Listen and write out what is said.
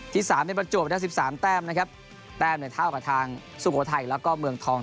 สามในประจวบได้๑๓แต้มนะครับแต้มเนี่ยเท่ากับทางสุโขทัยแล้วก็เมืองทอง